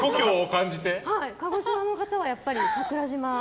鹿児島の方はやっぱり桜島を。